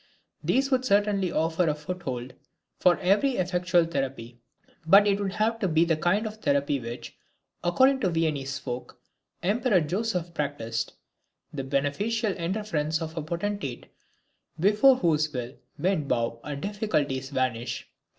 These would certainly offer a foothold for very effectual therapy. But it would have to be the kind of therapy which, according to the Viennese folk tale, Emperor Joseph practiced: the beneficial interference of a potentate, before whose will men bow and difficulties vanish.